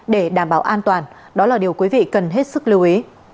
để đảm bảo an toàn đó là điều quý vị cần hết sức lưu ý